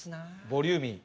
ボリューミー。